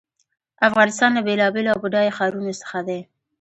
افغانستان له بېلابېلو او بډایه ښارونو څخه ډک دی.